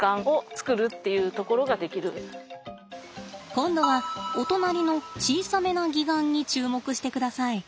今度はお隣の小さめな擬岩に注目してください。